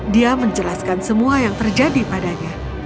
dia menjelaskan semua yang terjadi padanya